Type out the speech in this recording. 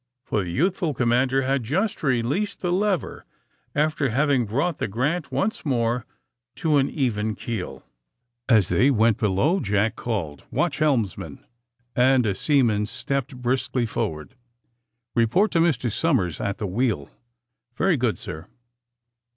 '^ For the youthful commander had just released the lever after having brought the '* Grant" once more to an even keel. AND THE SMUGGLEES 178 As they went below, Jack called :^^ Watch helmsman!'' and a seaman stepped briskly forward. *^ Report to Mr. Somers at the wheel.'' *^Very good, sir."